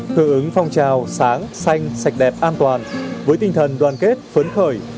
hưởng ứng phong trào sáng xanh sạch đẹp an toàn với tinh thần đoàn kết phấn khởi